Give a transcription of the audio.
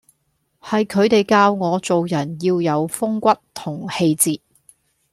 係佢哋教我做人要有風骨同氣節⠀